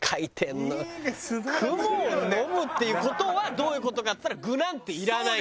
「雲を呑む」っていう事はどういう事かっつったら具なんていらない。